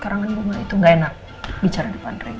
karena gue itu gak enak bicara di depan rina